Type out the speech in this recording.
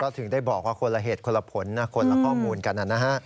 ถึงได้บอกว่าคนละเหตุคนละผลคนละข้อมูลกันนะฮะ